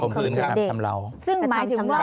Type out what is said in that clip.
เขาขืนขำเผลา